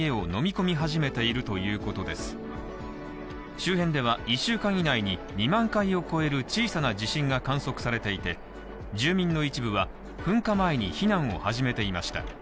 周辺では１週間以内に２万回を超える小さな地震が観測されていて、住民の一部は噴火前に避難を始めていました。